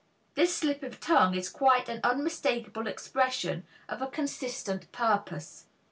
This slip of tongue is quite an unmistakable expression of a consistent purpose.